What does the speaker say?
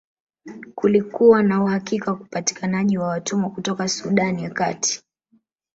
Kulikuwa na uhakika wa upatikanaji wa watumwa kutoka Sudan ya Kati